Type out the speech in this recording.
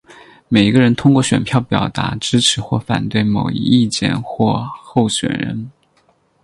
每一个人通过选票表达支持或反对某一意见或候选人。